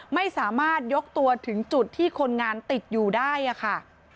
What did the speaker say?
ไม่สามารถยกตัวถึงจุดที่คนงานติดอยู่ได้ค่ะ